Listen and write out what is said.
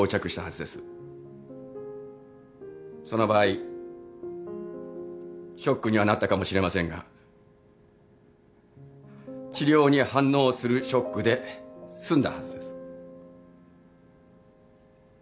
その場合ショックにはなったかもしれませんが治療に反応するショックで済んだはずです。